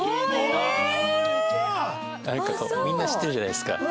なんかこうみんな知ってるじゃないですか。